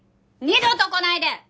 二度と来ないで！